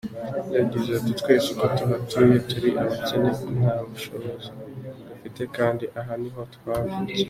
Yagize ati : “Twese uko tuhatuye turi abakene, nta bushobozi dufite kandi aha niho twavukiye.